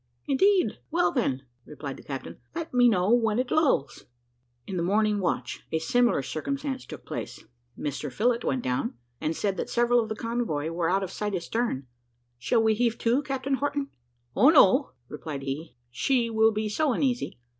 "Indeed! Well, then," replied the captain, "let me know when it lulls." In the morning watch a similar circumstance took place. Mr Phillott, went down, and said that several of the convoy were out of sight astern. "Shall we heave to, Captain Horton?" "O no," replied he, "she will be so uneasy.